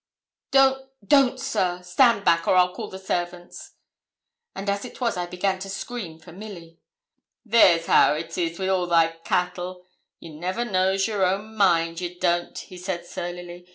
'Don't don't, sir. Stand back, or I'll call the servants.' And as it was I began to scream for Milly. 'There's how it is wi' all they cattle! You never knows your own mind ye don't,' he said, surlily.